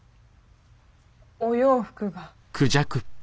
お洋服が。